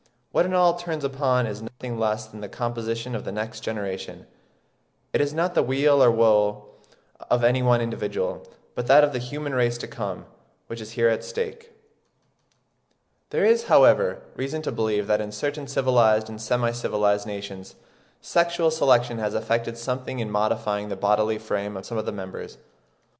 What it all turns upon is nothing less than the composition of the next generation...It is not the weal or woe of any one individual, but that of the human race to come, which is here at stake." (1. 'Schopenhauer and Darwinism,' in 'Journal of Anthropology,' Jan. 1871, p. 323. There is, however, reason to believe that in certain civilised and semi civilised nations sexual selection has effected something in modifying the bodily frame of some of the members.